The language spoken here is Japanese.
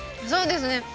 そうですね